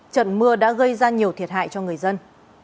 trận mưa đã gây ra nhiều thiệt hại cho người dân